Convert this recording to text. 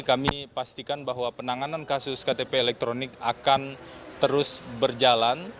kami pastikan bahwa penanganan kasus ktp elektronik akan terus berjalan